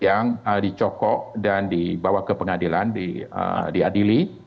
yang dicokok dan dibawa ke pengadilan diadili